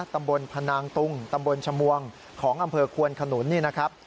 ตำบลพนางตุงตำบลชมวงของอำเภอควนขนุนนี่นะครับ